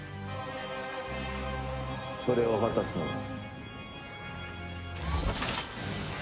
それを果たすのが。